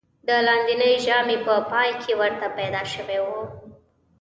د لاندېنۍ ژامې په پای کې ورته پیدا شوی و.